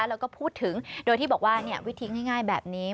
แล้วก็พูดถึงโดยที่บอกว่าวิธีง่ายแบบนี้